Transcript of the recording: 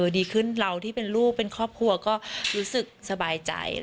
ดีขึ้นเราที่เป็นลูกเป็นครอบครัวก็รู้สึกสบายใจ